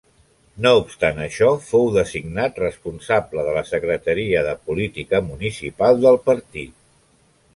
No obstant això fou designat responsable de la Secretaria de Política Municipal del partit.